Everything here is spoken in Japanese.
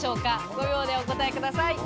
５秒でお答えください。